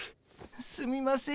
すみません。